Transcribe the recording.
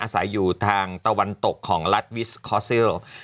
อาศัยอยู่ทางตะวันตกของลัทวิสคอซิล